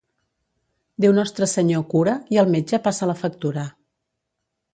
Déu Nostre Senyor cura i el metge passa la factura.